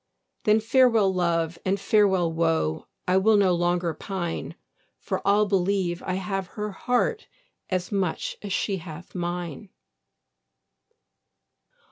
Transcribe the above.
Then farewell love, and farewell woe, I will no longer pine; For I'll believe I have her heart As much as she hath mine.